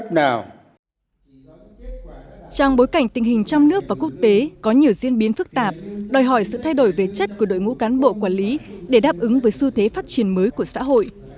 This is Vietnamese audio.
trong bối cảnh tình hình trong nước và quốc tế có nhiều diễn biến phức tạp đòi hỏi sự thay đổi về chất của đội ngũ cán bộ quản lý để đáp ứng với xu thế phát triển mới của xã hội